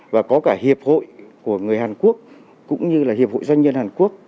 và có cả hiệp hội của người hàn quốc cũng như là hiệp hội doanh nhân hàn quốc